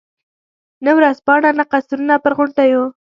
نه ورځپاڼه، نه قصرونه پر غونډیو.